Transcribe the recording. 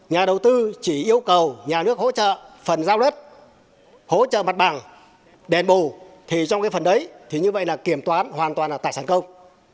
nhà nước hỗ trợ phần giao đất hỗ trợ mặt bảng đèn bồ thì trong cái phần đấy thì như vậy là kiểm toán hoàn toàn là tài sản công